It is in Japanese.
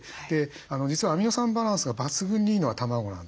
実はアミノ酸バランスが抜群にいいのは卵なんですね。